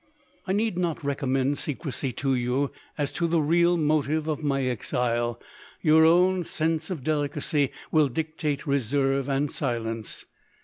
" I need not recommend secrecy to you as to the real motive of my exile —your own sense of delicacy will dictate reserve and silence.